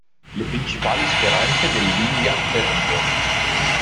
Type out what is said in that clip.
Le principali speranze dell'india per rio.